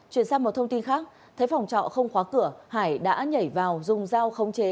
chuyển sang một thông tin khác thấy phòng trọ không khóa cửa hải đã nhảy vào dùng dao khống chế